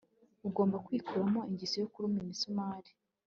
ugomba kwikuramo ingeso yo kuruma imisumari